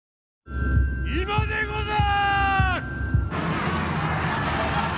今でござる！